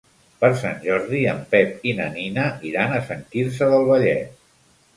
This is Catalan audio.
Per Sant Jordi en Pep i na Nina iran a Sant Quirze del Vallès.